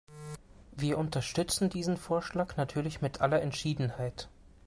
Wir unterstützen diesen Vorschlag natürlich mit aller Entschiedenheit.